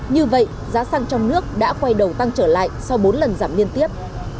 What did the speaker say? như vậy giá xăng trong nước đã quay đầu tăng trở lại sau bốn lần giảm liên tiếp